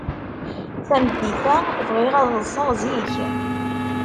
Tameddit-a bɣiɣ ad ḍḍseɣ zik.